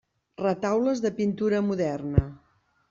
Retaules de pintura moderna.